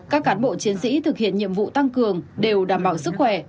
các cán bộ chiến sĩ thực hiện nhiệm vụ tăng cường đều đảm bảo sức khỏe